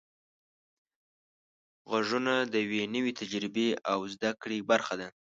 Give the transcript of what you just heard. غږونه د یوې نوې تجربې او زده کړې برخه ده.